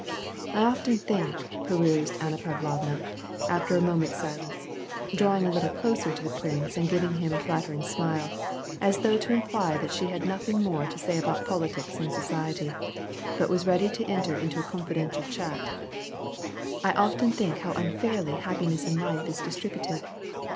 " I often think," pursued Anna Pavlovna, after a moment's silence, drawing a little closer to the prince and giving him a flattering smile, as though to imply that she had nothing more to say about politics and society, but was ready to enter into a confidential chat : "I often think how unfairly happiness in life is distributed.